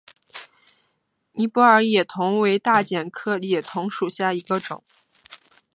尼泊尔野桐为大戟科野桐属下的一个种。